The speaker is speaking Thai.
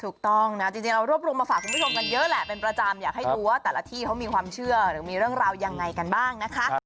ถูกต้องนะจริงเรารวบรวมมาฝากคุณผู้ชมกันเยอะแหละเป็นประจำอยากให้ดูว่าแต่ละที่เขามีความเชื่อหรือมีเรื่องราวยังไงกันบ้างนะคะ